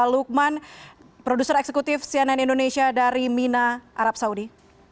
lukman produser eksekutif cnn indonesia dari mina arab saudi